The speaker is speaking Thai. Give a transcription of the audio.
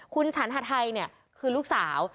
คุณฉันฮาไทค์คือลูกสาว